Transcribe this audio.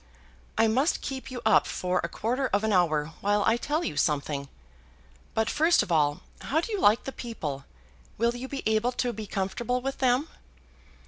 "I must keep you up for a quarter of an hour while I tell you something. But first of all, how do you like the people? Will you be able to be comfortable with them?"